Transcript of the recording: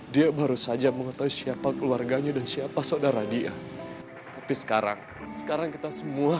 dia baru saja mengetahui siapa keluarganya dan siapa saudara dia tapi sekarang sekarang kita semua